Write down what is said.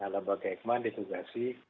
lembaga eikman ditugasi